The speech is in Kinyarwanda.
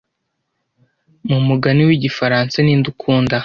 Mu mugani wigifaransa ninde ukunda